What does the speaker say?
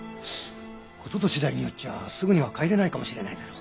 事と次第によっちゃすぐには帰れないかもしれないだろう。